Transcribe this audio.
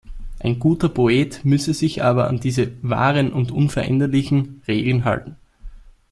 Ein guter Poet müsse sich aber an diese „wahren und unveränderlichen“ Regeln halten.